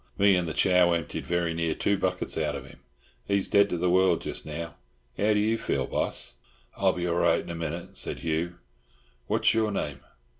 Me an' the Chow emptied very near two buckets out of him. He's dead to the world jes' now. How do you feel, boss?" "I'll be all right in a minute," said Hugh. "What's your name?"